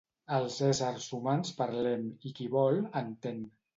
Els éssers humans parlem i qui vol, entén.